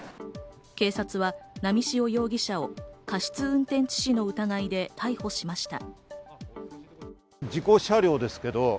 警察は波汐容疑者を過失運転致死の疑いで逮捕しました。